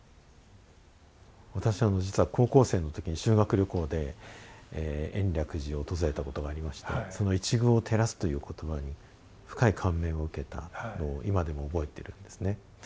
私実は高校生の時に修学旅行で延暦寺を訪れたことがありましてその「一隅を照らす」という言葉に深い感銘を受けたのを今でも覚えているんですね。